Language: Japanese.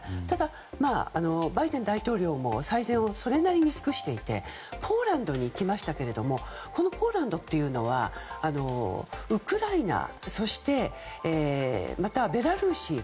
ただ、バイデン大統領も最善をそれなりに尽くしていてポーランドに行きましたけどもこのポーランドというのはウクライナ、そしてベラルーシ。